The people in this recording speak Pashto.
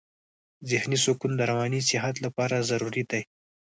ذهني سکون د رواني صحت لپاره ضروري دی.